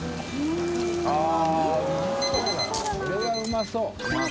これはうまそう。